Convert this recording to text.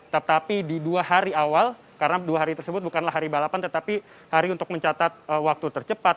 tetapi di dua hari awal karena dua hari tersebut bukanlah hari balapan tetapi hari untuk mencatat waktu tercepat